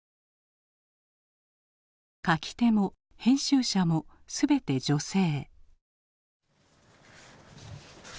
書き手も編集者もすべて女性。